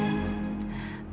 dalam satu malam